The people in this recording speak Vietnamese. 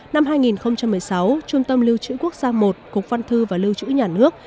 năm hai nghìn một mươi sáu trung tâm lưu trữ quốc gia i cục văn thư và lưu trữ nhà nước